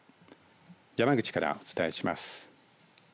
山口からお伝えします。